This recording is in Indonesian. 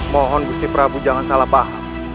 mohon gusti prabu jangan salah paham